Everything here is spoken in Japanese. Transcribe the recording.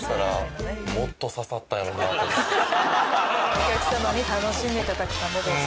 お客さまに楽しんでいただくためです。